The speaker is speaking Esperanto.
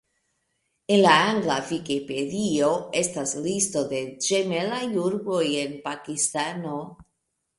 En la angla Vikipedio estas listo de ĝemelaj urboj en Pakistano.